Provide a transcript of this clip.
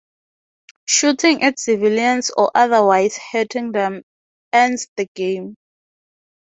Shooting at civilians or otherwise hurting them ends the game.